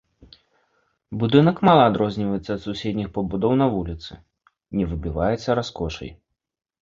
Будынак мала адрозніваецца ад суседніх пабудоў на вуліцы, не выбіваецца раскошай.